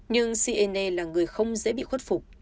nhưng siene là người không dễ bị khuất phục